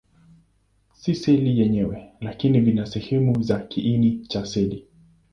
Si seli yenyewe, lakini vina sehemu za kiini cha seli.